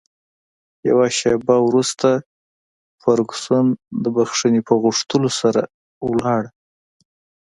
یوه شیبه وروسته فرګوسن د بښنې په غوښتلو سره ولاړه.